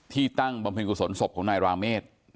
ตั้งบำเพ็ญกุศลศพของนายราเมฆ